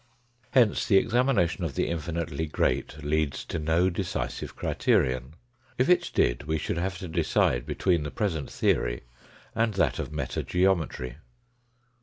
Hence the examination of the infinitely great leads to no decisive criterion. If it did we should have to decide between the present theory and that of metageometry.